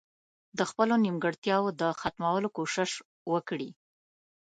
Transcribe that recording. د خپلو نيمګړتياوو د ختمولو کوشش وکړي.